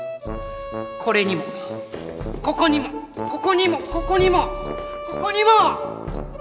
これにもここにもここにもここにもここにも！